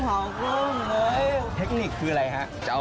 หมายถึงเรื่องเผากุ้งเห้ย